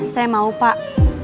saya mau pak